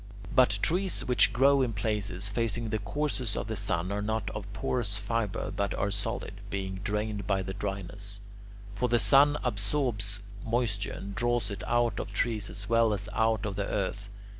But trees which grow in places facing the course of the sun are not of porous fibre but are solid, being drained by the dryness; for the sun absorbs moisture and draws it out of trees as well as out of the earth.